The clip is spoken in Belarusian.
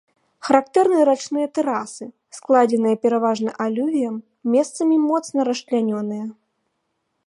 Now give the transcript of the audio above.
Характэрны рачныя тэрасы, складзеныя пераважна алювіем, месцамі моцна расчлянёныя.